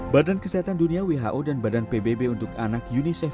badan kesehatan dunia who dan badan pbb untuk anak unicef